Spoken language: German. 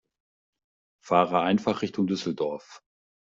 Fahre einfach Richtung Düsseldorf